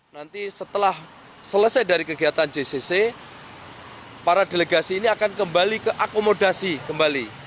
nanti setelah selesai dari kegiatan jcc para delegasi ini akan kembali ke akomodasi kembali